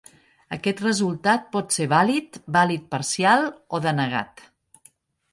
Aquest resultat pot ser vàlid, vàlid parcial o denegat.